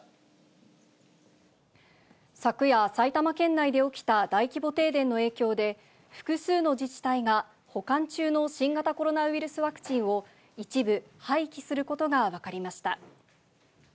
昨夜、埼玉県内で起きた大規模停電の影響で、複数の自治体が保管中の新型コロナウイルスワクチンを一部廃棄することが分かりました。